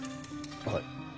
はい。